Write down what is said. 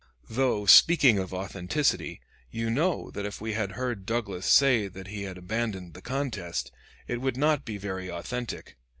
Though, speaking of authenticity, you know that if we had heard Douglas say that he had abandoned the contest, it would not be very authentic.